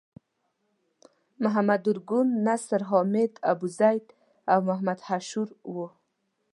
محمد ارګون، نصر حامد ابوزید او محمد شحرور وو.